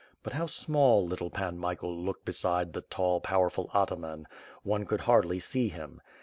But how small little Pan Michael looked beside the tall, powerful ataman; one could hardly see him.